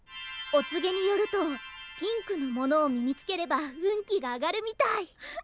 お告げによるとピンクのものを身につければ運気が上がるみたい。